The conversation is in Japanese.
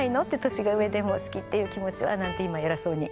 年が上でも好きっていう気持ちは」なんて今偉そうに。